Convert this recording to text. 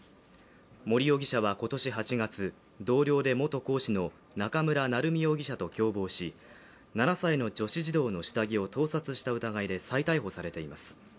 森容疑者は今年８月、同僚で元講師の中村成美容疑者と共謀し７歳の女子児童の下着を盗撮した疑いで再逮捕されています。